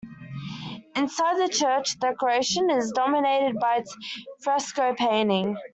Inside, the church decoration is dominated by its fresco painting.